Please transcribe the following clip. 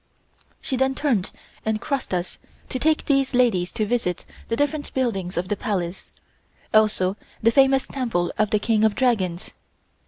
She then turned and ordered us to take these ladies to visit the different buildings of the Palace, also the famous temple of the King of Dragons.